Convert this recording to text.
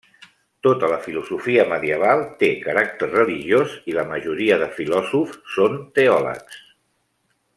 Tota la filosofia medieval té caràcter religiós i la majoria de filòsofs són teòlegs.